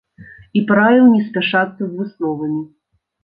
І параіў не спяшацца з высновамі.